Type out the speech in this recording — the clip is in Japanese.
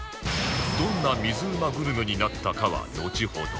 どんな水うまグルメになったかはのちほど